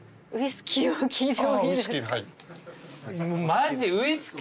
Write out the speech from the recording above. マジ？